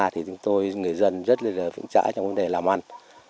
thì chúng tôi người dân rất là vững chãi trong vấn đề làm ăn